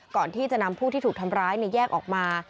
ก่อนที่จะนำผู้ที่ถูกทำร้ายแยกออกมา